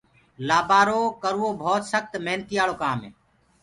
لآبآرو ڪروو ڀوت سکت منيآݪو ڪآم هي۔